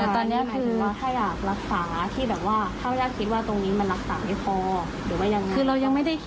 ค่ะเชิญค่ะคือรีบรักษาเลยค่ะ